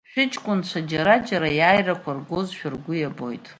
Шәыҷкәынцәа џьара-џьара аиааирақәа ргазшәа ргәы ибоит.